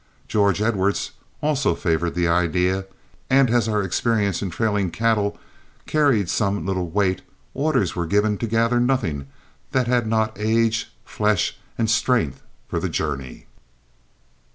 George Edwards also favored the idea, and as our experience in trailing cattle carried some little weight, orders were given to gather nothing that had not age, flesh, and strength for the journey.